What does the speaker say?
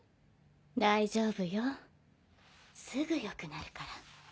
大丈夫よすぐ良くなるから。